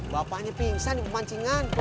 bapaknya pingsan di pemancingan